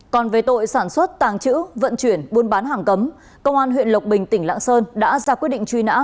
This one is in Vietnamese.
còn về tội sản xuất tàng trữ vận chuyển buôn bán hàng cấm công an huyện lộc bình tỉnh lạng sơn đã ra quyết định truy nã